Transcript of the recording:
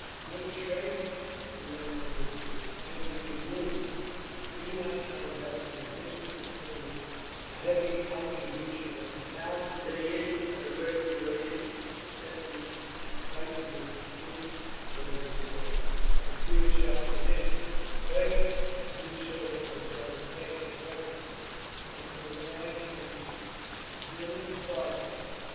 "A good trade!" the landlord repeated. "I am being ruined. Do you not know that, in addition to levying a heavy contribution on the town, they issued a regulation settling the prices at which the troops were to be served, at beer shops and inns: breakfast and you saw what those fellows ate 4 pence; a tumbler of wine, 1 pence; dinner, 5 pence.